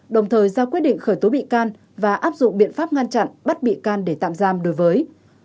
đồng thời ra quyết định khởi tố bị can và áp dụng biện pháp ngăn chặn bắt bị can để tạm giam đối với